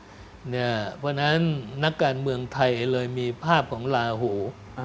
เพราะฉะนั้นนักการเมืองไทยเลยมีภาพของลาหู